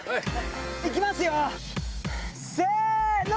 行きますよせの！